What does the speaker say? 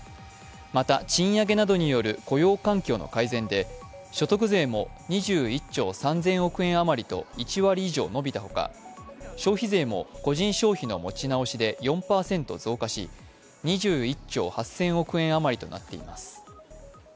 また、賃上げなどによる雇用環境の改善で所得税も２１兆３００００億円余りと１割以上伸びたほか、消費税も個人消費の持ち直しで４％増加し２１兆８０００億円余りとなっています。